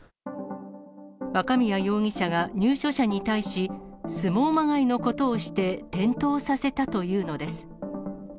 若宮容疑者が入所者に対し、相撲まがいのことをして、転倒させたというのです。